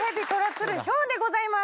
鶴豹でございます。